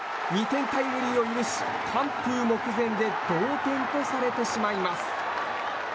２点タイムリーを許し完封目前で同点とされてしまいます。